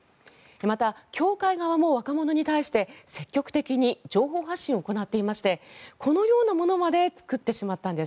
また、協会側も若者に対して積極的に情報発信を行っていましてこのようなものまで作ってしまったんです。